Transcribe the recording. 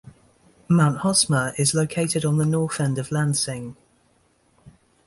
Mount Hosmer is located on the north end of Lansing.